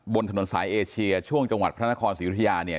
บนถนนสายเอเชียช่วงจังหวัดพระนครศรีอุทยาเนี่ย